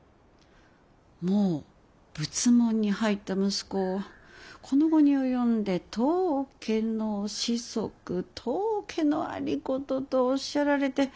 もう仏門に入った息子をこの期に及んで当家の子息当家の有功とおっしゃられて。